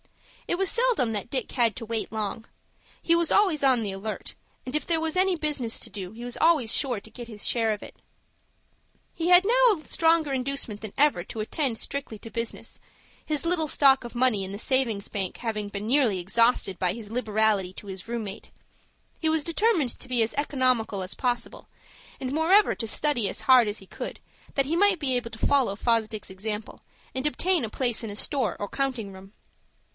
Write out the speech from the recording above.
It was seldom that Dick had to wait long. He was always on the alert, and if there was any business to do he was always sure to get his share of it. He had now a stronger inducement than ever to attend strictly to business; his little stock of money in the savings bank having been nearly exhausted by his liberality to his room mate. He determined to be as economical as possible, and moreover to study as hard as he could, that he might be able to follow Fosdick's example, and obtain a place in a store or counting room.